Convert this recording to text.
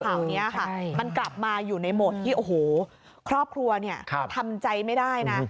ข่าวนี้ค่ะมันกลับมาอยู่ในโหมดที่โอ้โหครอบครัวเนี่ยทำใจไม่ได้นะ